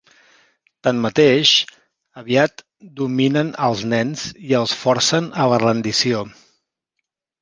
Tanmateix, aviat dominen els nens i els forcen a la rendició.